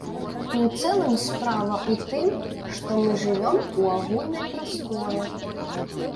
І ў цэлым справа ў тым, што мы жывём у агульнай прасторы.